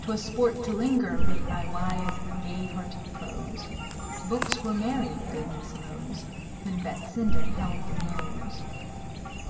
'twas sport to linger With thy wise, gay hearted prose. Books were merry, goodness knows! When Betsinda held the Rose.